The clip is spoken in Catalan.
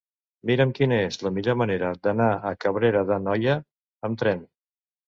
Mira'm quina és la millor manera d'anar a Cabrera d'Anoia amb tren.